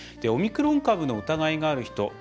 オミクロン株の疑いがある人